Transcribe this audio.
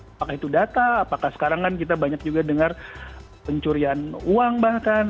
apakah itu data apakah sekarang kan kita banyak juga dengar pencurian uang bahkan